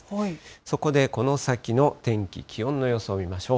そこでこの先の天気、気温の予想見ましょう。